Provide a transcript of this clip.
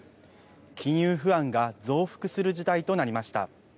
金融不安が増幅する事態となりました。